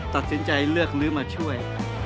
ตัดสินใจเลือกลื้อมาช่วย